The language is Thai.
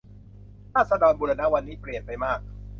ราษฎร์บูรณะวันนี้เปลี่ยนไปมาก